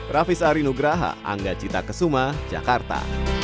rafis arinugraha anggacita kesuma jakarta